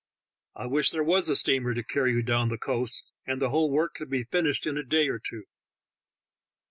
I wish there was a steamer to carry you down the coast, and the whole work could be finished in a day or two."